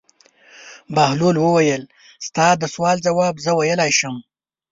بهلول وویل: ستا د سوال ځواب زه ویلای شم.